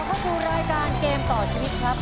เข้าสู่รายการเกมต่อชีวิตครับ